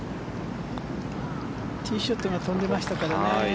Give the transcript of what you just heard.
ティーショットが飛んでましたからね。